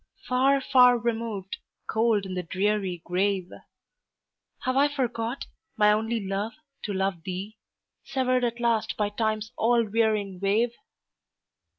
Far, far removed, cold in the dreary grave! Have I forgot, my only love, to love thee, Severed at last by Time's all wearing wave?